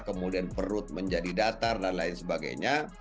kemudian perut menjadi datar dan lain sebagainya